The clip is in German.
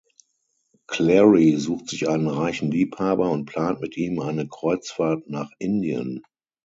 Clary sucht sich einen reichen Liebhaber und plant mit ihm eine Kreuzfahrt nach Indien.